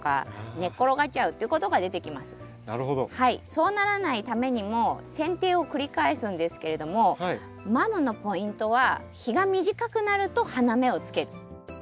そうならないためにもせん定を繰り返すんですけれどもマムのポイントは日が短くなると花芽をつける。